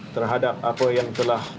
terhadap apa yang telah